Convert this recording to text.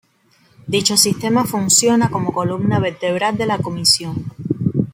Dicho sistema funciona como columna vertebral de la comisión.